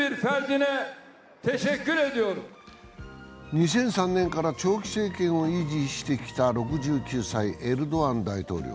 ２００３年から長期政権を維持して来た６９歳エルドアン大統領。